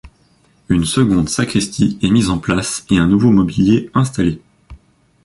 Une seconde sacristie est mise en place et un nouveau mobilier installé.